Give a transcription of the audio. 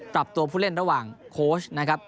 ปรับตัวผู้เล่นระหว่างโค้ชนะครับ